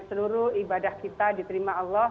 seluruh ibadah kita diterima allah